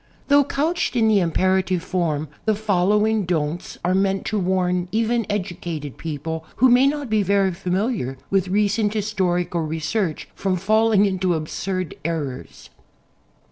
Though couched in the im perative form, the following "Don'ts" are meant to warn even educated people, who may not be very familiar with recent historical research, from falling into absurd errors.